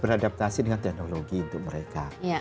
beradaptasi dengan teknologi untuk mereka